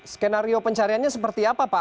skenario pencariannya seperti apa pak